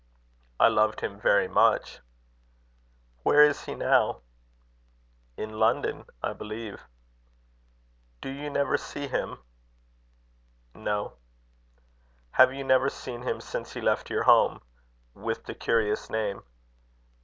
"I loved him very much." "Where is he now?" "In London, I believe." "Do you never see him?" "No." "Have you never seen him since he left your home with the curious name?"